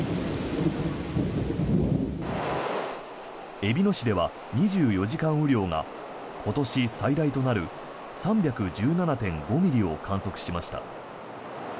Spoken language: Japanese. えびの市では２４時間雨量が今年最大となる３１７．５ミリを観測しました。